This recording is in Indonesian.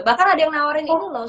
bahkan ada yang nawarin ini loh